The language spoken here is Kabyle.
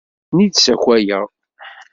Ur ten-id-ssakayeɣ.